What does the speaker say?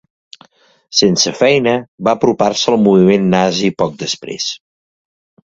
Sense feina, va apropar-se al moviment nazi poc després.